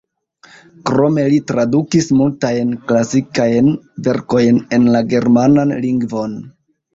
Krome li tradukis multajn klasikajn verkojn en la germanan lingvon.